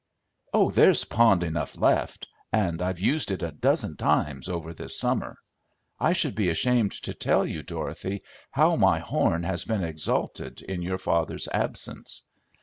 "Oh, there's pond enough left, and I've used it a dozen times over this summer. I should be ashamed to tell you, Dorothy, how my horn has been exalted in your father's absence.